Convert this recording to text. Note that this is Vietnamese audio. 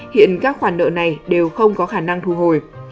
hiện các khoản nợ này đều không có khả năng thu hồi